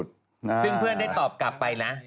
ซึ่งเพื่อนได้ตอบกลับไปนะ